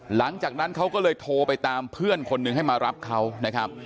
หลังจากนั้นเขาก็เลยโทรไปตามเพื่อนคนหนึ่งให้มารับเขานะครับ